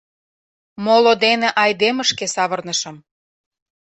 Моло дене айдемышке савырнышым.